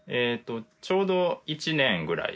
ちょうど１年ぐらいです。